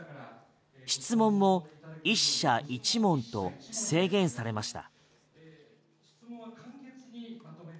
質問も１社１問と制限されました。